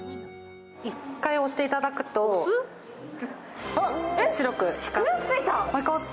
１回押していただくと白く光る。